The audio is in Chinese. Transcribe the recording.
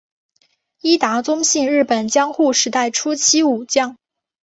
伊达宗信日本江户时代初期武将。